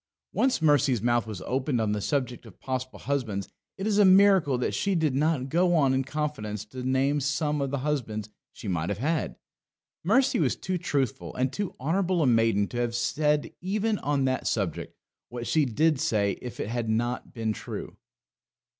Once Mercy's mouth was opened on the subject of possible husbands it is a miracle that she did not go on in confidence to name some of the husbands she might have had. Mercy was too truthful and too honourable a maiden to have said even on that subject what she did say if it had not been true.